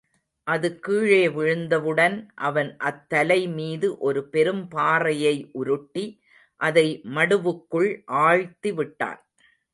அது கீழே விழுந்தவுடன் அவன் அத்தலை மீது ஒரு பெரும்பாறையை உருட்டி, அதை மடுவுக்குள் ஆழ்த்திவிட்டான்.